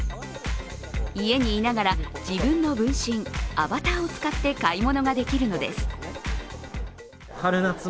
家にいながら自分の分身、アバターを使って買い物ができるのです。